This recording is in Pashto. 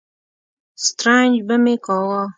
سترنج به مې کاوه.